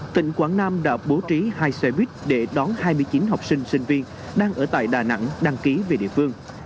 tỉnh quảng nam đã bố trí hai xe buýt để đón hai mươi chín học sinh sinh viên đang ở tại đà nẵng đăng ký về địa phương